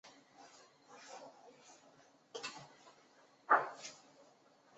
为了开发伏波山的旅游资源建伏波公园。